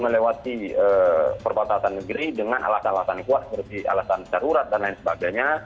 melewati perbatasan negeri dengan alasan alasan kuat seperti alasan darurat dan lain sebagainya